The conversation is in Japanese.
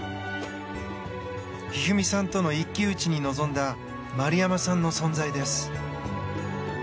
一二三さんとの一騎打ちに臨んだ丸山さんの存在です。